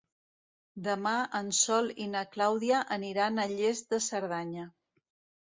Demà en Sol i na Clàudia aniran a Lles de Cerdanya.